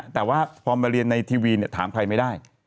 แต่ว่าพอมาเรียนในทีวีถามใครไม่ได้